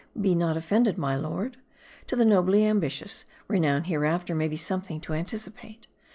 Be not offended, my lord. To the nobly ambitious, renown hereafter may be M A B D I. 247 something to anticipate.